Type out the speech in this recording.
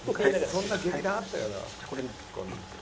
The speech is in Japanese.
そんな劇団あったよな。